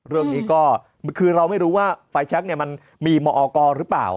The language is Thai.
เรื่องนี้ก็คือเราไม่รู้ว่าไฟแชคมันมีมอกหรือเปล่า